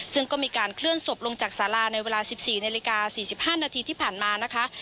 ซึ่งก็มีการเคลื่อนศพลงจากสาราในเวลา๑๔นาฬิกา๔๕นาทีที่ผ่านมานะคะ